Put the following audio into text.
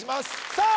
さあ